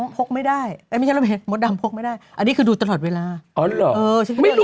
พี่เหมียวเค้าได้อยู่บ้านไหม